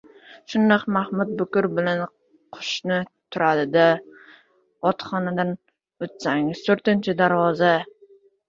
— Shundoq Mahmud bukur bilan qo‘shni turadi- da, otxonadan o‘tsangiz to‘rtinchi darvoza!